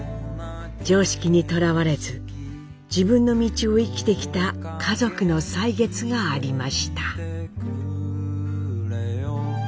常識にとらわれず自分の道を生きてきた家族の歳月がありました。